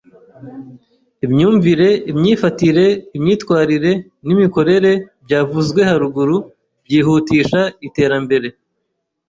Imyumvire, imyifatire, imyitwarire n’imikorere byavuzwe haruguru byihutisha Iterambere